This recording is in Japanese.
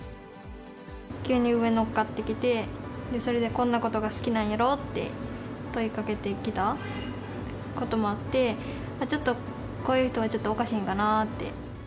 急に上乗っかってきて、それで、こんなことが好きなんやろって問いかけてきたこともあって、ちょっとこういう人はちょっとおかしいんかなって。